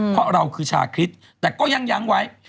เพราะเราคือชาคริสต์แต่ก็ยังยั้งไว้